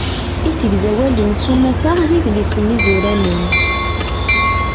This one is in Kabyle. Isegzawalen s umata d idlisen izuranen.